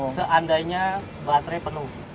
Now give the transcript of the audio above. seandainya baterai penuh